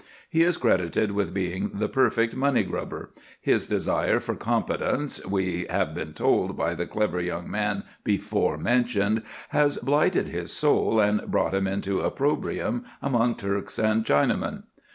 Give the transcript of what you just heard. He is credited with being the perfect money grubber; his desire for competence, we have been told by the clever young man before mentioned, has blighted his soul and brought him into opprobrium among Turks and Chinamen.